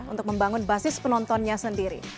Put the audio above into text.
untuk membangun basis penontonnya sendiri